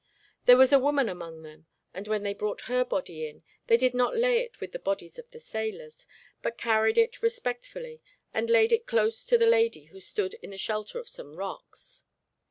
There was a woman among them, and when they brought her body in, they did not lay it with the bodies of the sailors, but carried it respectfully and laid it close to the lady who stood in the shelter of some rocks.